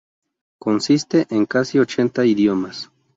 Consiste en casi ochenta idiomas.